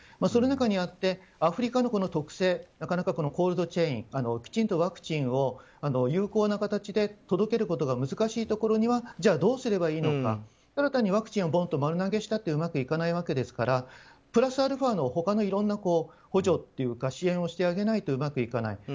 その中にあってアフリカの特性きちんとワクチンを有効な形で届けることが難しいところにはどうすればいいのか新たにワクチンを丸投げしたってうまくいかないわけですからプラスアルファの他のいろんな補助というか支援をしてあげないとうまくいかない。